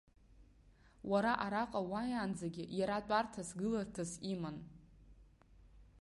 Уара араҟа уааиаанӡагьы иара тәарҭас, гыларҭас иман.